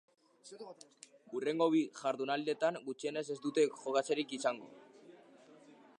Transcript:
Hurrengo bi jardunaldietan gutxienez ez dute jokatzerik izango.